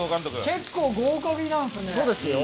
結構豪快なんですね。